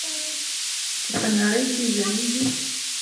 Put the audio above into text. چې په نړۍ کې ځلیږي.